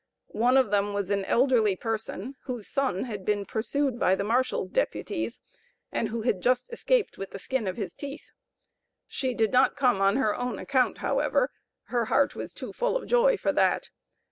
One of them was an elderly person, whose son had been pursued by the marshal's deputies, and who had just escaped with 'the skin of his teeth.' She did not come on her own account, however; her heart was too full of joy for that.